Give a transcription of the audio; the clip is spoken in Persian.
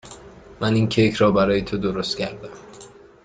من این کیک را برای تو درست کردم.